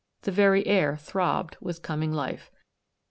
The very air throbbed with coming life.